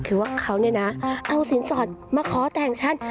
คือว่าเขาเนี่ยนะเอาสินสอดมาขอแต่งฉัน